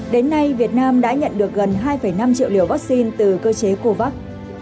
đến nay việt nam đã nhận được gần hai năm triệu liều vaccine từ cơ chế covax